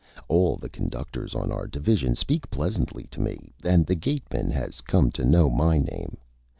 All the Conductors on our Division speak pleasantly to Me, and the Gateman has come to know my Name.